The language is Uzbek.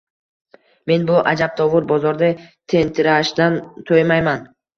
Men bu ajabtovur bozorda tentirashdan to‘ymayman.